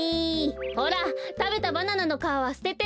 ほらたべたバナナのかわはすてて！